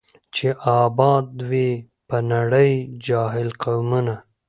چي آباد وي پر نړۍ جاهل قومونه